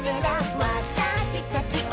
「わたしたちを」